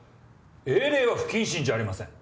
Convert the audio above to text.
英霊は不謹慎じゃありません。